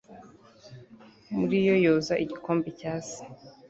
Muri yo yoza igikombe cya se